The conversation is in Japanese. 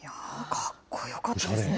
かっこよかったですね。